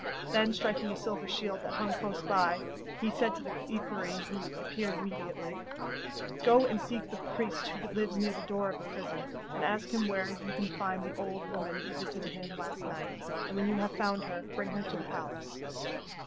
Then, striking a silver shield that hung close by, he said to the equerry who appeared immediately: 'Go and seek the priest who lives near the door of the prison, and ask him where you can find the old woman who visited him last night; and when you have found her, bring her to the palace.